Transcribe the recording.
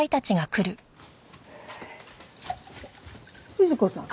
藤子さん。